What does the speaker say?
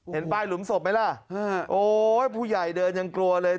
เห็นป้ายหลุมศพไหมล่ะโอ๊ยผู้ใหญ่เดินยังกลัวเลย